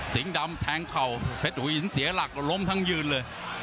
ดำแทงเข่าเพชรหัวหินเสียหลักล้มทั้งยืนเลย